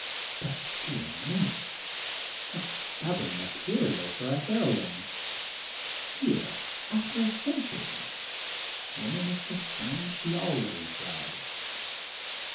But dear me, what stubborn material for a hero ine. Here, after a century, woman is the same she always was.